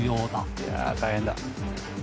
いや大変だ。